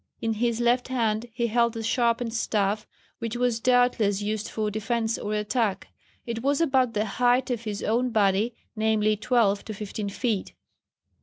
In his left hand he held a sharpened staff, which was doubtless used for defence or attack. It was about the height of his own body, viz., twelve to fifteen feet.